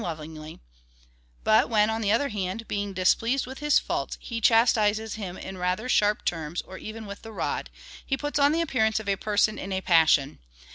lovingly ; but when, on the other hand, being displeased with his faults, he chastises him in rather sharp terms, or even with the rod, he puts on the appeai'ance of a person in a passion.